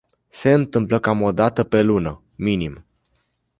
Se întâmplă cam o dată pe lună, minim.